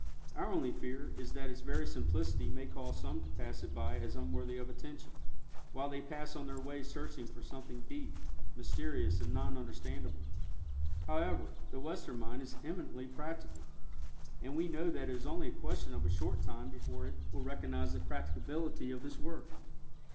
Our only fear is that its very simplicity may cause some to pass it by as unworthy of attention, while they pass on their way searching for something "deep," mysterious and non understandable. However, the Western mind is eminently practical, and we know that it is only a question of a short time before it will recognize the practicability of this work.